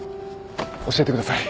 教えてください。